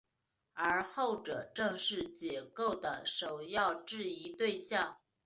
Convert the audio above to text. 而后者正是解构的首要质疑对象。